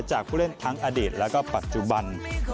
ผู้เล่นทั้งอดีตแล้วก็ปัจจุบัน